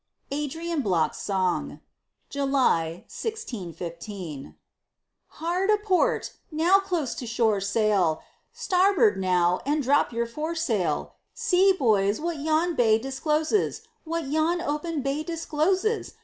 ADRIAN BLOCK'S SONG [July, 1615] Hard aport! Now close to shore sail! Starboard now, and drop your foresail! See, boys, what yon bay discloses, What yon open bay discloses!